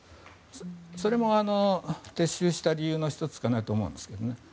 それも撤収した理由の１つかなと思います。